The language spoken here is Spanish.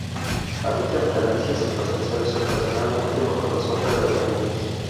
Habita en planicies y pastizales, ocasionalmente bajo la sombra de arbustos.